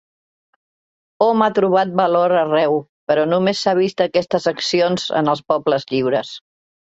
Hom ha trobat valor arreu, però només s'ha vist aquestes accions en els pobles lliures.